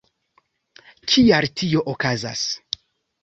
Kial tio okazas?